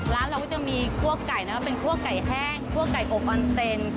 ร้านเราก็จะมีคั่วไก่นะครับเป็นคั่วไก่แห้งคั่วไก่อบออนเซน